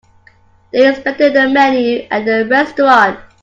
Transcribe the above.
They inspected the menu at the restaurant.